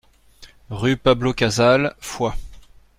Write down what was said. Rue Pablo Casals, Foix